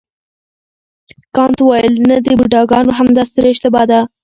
کانت وویل نه د بوډاګانو همدا ستره اشتباه ده.